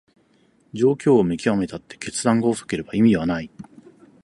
状況を見極めたって決断が遅ければ意味はない